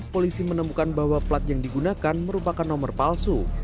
polisi menemukan bahwa plat yang digunakan merupakan nomor palsu